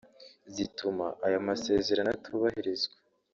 zituma aya masezerano atubahirizwa